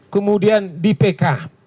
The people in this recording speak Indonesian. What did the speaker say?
kemudian di pk